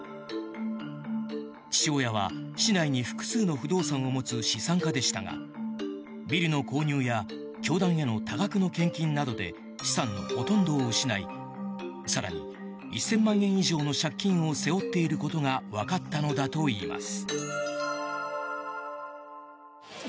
父親は市内に複数の不動産を持つ資産家でしたがビルの購入や教団への多額の献金などで資産のほとんどを失い更に１０００万円以上の借金を背負っていることがわかったのだといいます。